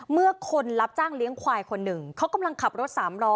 เมื่อคนรับจ้างเลี้ยงควายคนหนึ่งเขากำลังขับรถสามล้อ